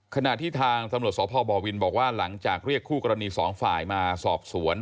ขณะที่ทางตำรวจสพบวินบอกว่าหลังจากเรียกคู่กรณีสองฝ่ายมาสอบสวน